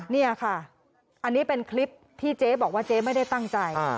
นี่ค่ะอันนี้เป็นคลิปที่เจ๊บอกว่าเจ๊ไม่ได้ตั้งใจ